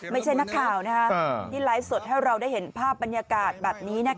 ไม่ใช่นักข่าวที่ไลฟ์สดให้เราได้เห็นภาพบรรยากาศแบบนี้